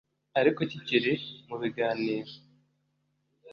ariko kikiri mu biganiro […]”